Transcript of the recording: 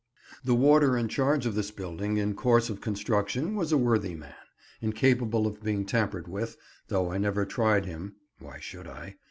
The warder in charge of this building in course of construction, was a worthy man, incapable of being tampered with, though I never tried him (why should I?)